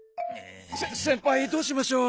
せ先輩どうしましょう？